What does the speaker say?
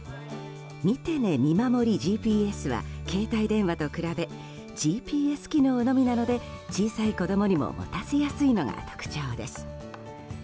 みてねみまもりＧＰＳは携帯電話と比べＧＰＳ機能のみなので小さい子供にも持たせやすいのが特徴です。